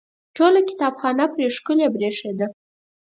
ټوله کتابخانه پرې ښکلې برېښېده.